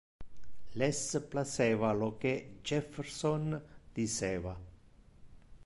Les placeva lo que Jefferson diceva.